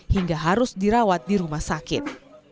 hingga harus dirawat di rumah sakit